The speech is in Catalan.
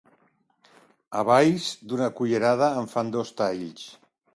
A Valls, d'una cullerada en fan dos talls.